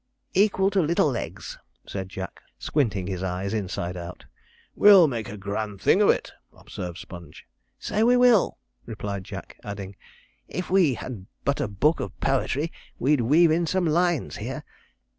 'Equal to Littlelegs,' said Jack, squinting his eyes inside out. 'We'll make a grand thing of it,' observed Sponge. 'So we will,' replied Jack, adding, 'if we had but a book of po'try we'd weave in some lines here.